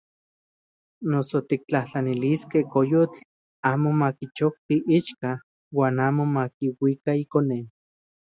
Noso tiktlajtlaniliskej koyotl amo makichokti ichkatl uan amo makiuika ikone.